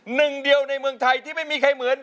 หนึ่งเดียวในเมืองไทยที่ไม่มีใครเหมือน